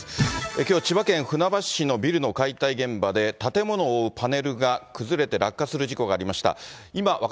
きょう、千葉県船橋市のビルの解体現場で、建物を覆うパネルが崩れて落下する事故がありました。